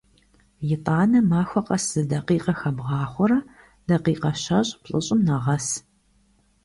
ИтӀанэ махуэ къэс зы дакъикъэ хэбгъахъуэурэ, дакъикъэ щэщӀ-плӀыщӀым нэгъэс.